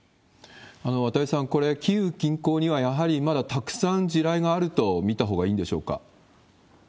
綿井さん、これ、キーウ近郊にはやはりまだたくさん地雷があると見たほうがいいんでしょうか？